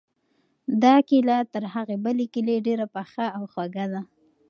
دا کیله تر هغې بلې کیلې ډېره پخه او خوږه ده.